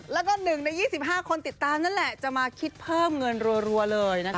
แล้วก็๑ใน๒๕คนติดตามนั่นแหละจะมาคิดเพิ่มเงินรัวเลยนะคะ